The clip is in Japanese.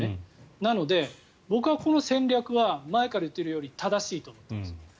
なので、僕はこの戦略は前から言っているように正しいと思っています。